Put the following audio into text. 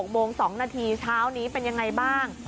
๖โมง๒นาทีเช้านี้เป็นยังไงบ้าง